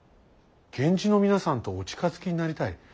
源氏の皆さんとお近づきになりたい。